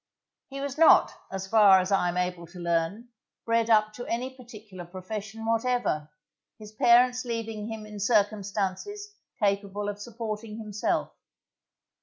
He was not, as far as I am able to learn, bred up to any particular profession whatever, his parents leaving him in circumstances capable of supporting himself.